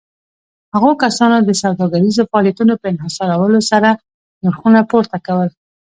هغو کسانو د سوداګريزو فعاليتونو په انحصارولو سره نرخونه پورته کول.